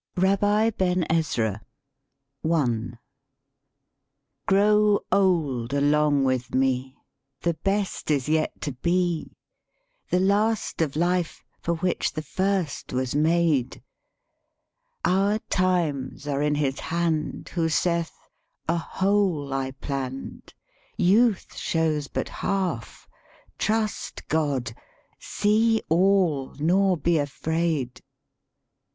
RABBI BEN EZRA Grow old along with me! The best is yet to be, The last of life, for which the first was made: Our times are in His hand Who saith, 'A whole I planned, Youth shows but half /trust God: see all, nor be afraid!'